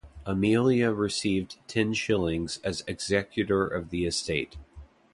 Amelia received ten shillings as executor of the estate.